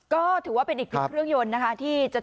ก็ถือว่าเป็นอีกพิษเครื่องยนต์ที่จะช่วยเศรษฐกิจไทย